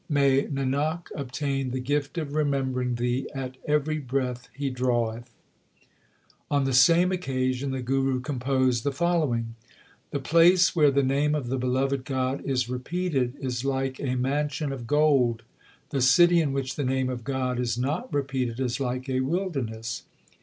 May Nanak obtain the gift of remembering Thee at every breath he draweth ! l On the same occasion the Guru composed the following : The place where the name of the beloved God is repeated, Is like a mansion of gold ; The city in which the name of God is not repeated is like a wilderness.